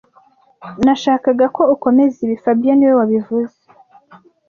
Nashakaga ko ukomeza ibi fabien niwe wabivuze